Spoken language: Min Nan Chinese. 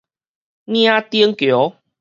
嶺頂橋